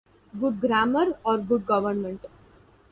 Good grammar or Good government?